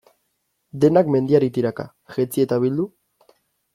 Denak mendiari tiraka, jetzi eta bildu?